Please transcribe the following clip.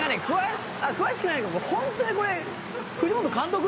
「詳しくないんだけど本当にこれ藤本監督？」